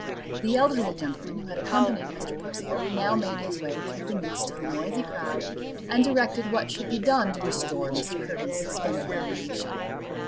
The elderly gentleman who had accompanied Mr. Percival now made his way through the midst of the noisy crowd, and directed what should be done to restore Mr. Hervey's suspended animation.